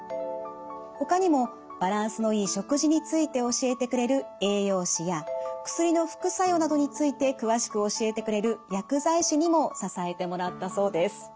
ほかにもバランスのいい食事について教えてくれる栄養士や薬の副作用などについて詳しく教えてくれる薬剤師にも支えてもらったそうです。